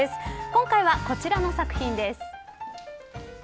今回はこちらの作品です。